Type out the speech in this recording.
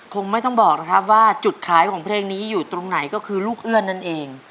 คงไม่ต้องบอกนะครับว่าจุดขายของเพลงนี้อยู่ตรงไหนก็คือลูกเอื้อนนั่นเอง